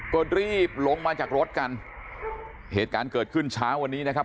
ก็รีบลงมาจากรถกันเหตุการณ์เกิดขึ้นเช้าวันนี้นะครับ